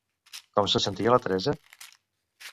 Com se sentia la Teresa?